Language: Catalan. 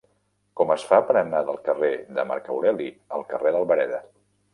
Com es fa per anar del carrer de Marc Aureli al carrer d'Albareda?